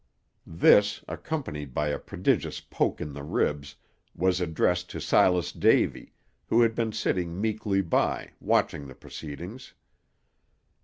This, accompanied by a prodigious poke in the ribs, was addressed to Silas Davy, who had been sitting meekly by, watching the proceedings.